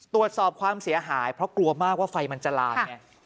ตรวจสอบความเสียหายเพราะกลัวมากว่าไฟมันจะลามไง